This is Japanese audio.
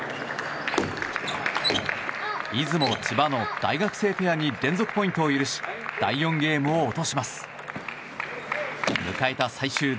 出雲、千葉の大学生ペアに連続ポイントを許し第４ゲームを落とします。